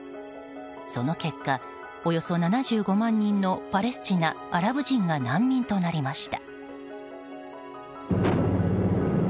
その結果およそ７５万人のパレスチナ、アラブ人が難民となりました。